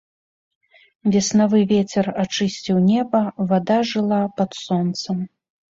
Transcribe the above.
Веснавы вецер ачысціў неба, вада жыла пад сонцам.